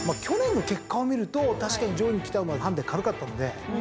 去年の結果を見ると確かに上位に来た馬はハンデ軽かったので。